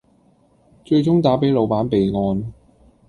最終打俾老闆備案